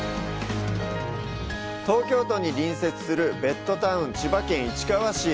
東京都に隣接するベッドタウン、千葉県市川市。